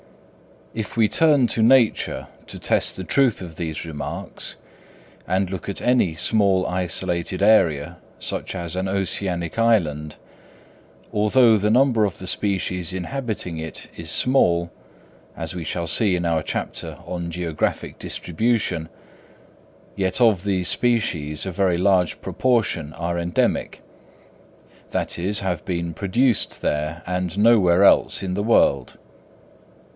If we turn to nature to test the truth of these remarks, and look at any small isolated area, such as an oceanic island, although the number of the species inhabiting it is small, as we shall see in our chapter on Geographical Distribution; yet of these species a very large proportion are endemic,—that is, have been produced there and nowhere else in the world.